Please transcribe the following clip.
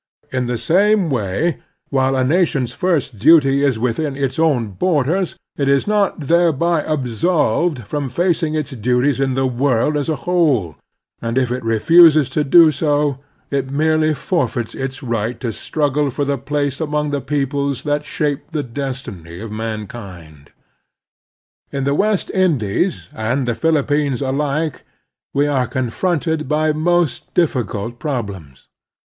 In the same way, while a nation's first duty is within its own borders, it is not thereby absolved from facing its duties in the world as a whole; and if it refuses to do so, it merely forfeits its right to struggle for a place among the peoples that shape the destiny of man kind. In the West Indies and the Philippines alike we are confronted by most difRcult problems.